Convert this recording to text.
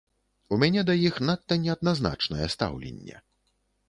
У мяне да іх надта неадназначнае стаўленне.